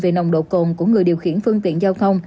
về nồng độ cồn của người điều khiển phương tiện giao thông